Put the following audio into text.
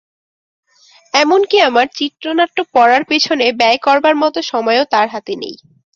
এমনকি আমার চিত্রনাট্য পড়ার পেছনে ব্যয় করার মতো সময়ও তাঁর হাতে নেই।